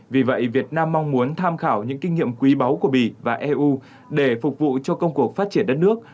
vì vậy việt nam mong muốn tham khảo những kinh nghiệm quý báu của bì và eu để phục vụ cho công cuộc phát triển đất nước